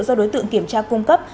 do đối tượng kiểm tra cung cấp